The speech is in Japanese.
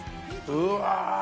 うわ。